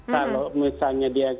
kalau misalnya dia